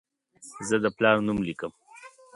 زه د پلار نوم لیکم.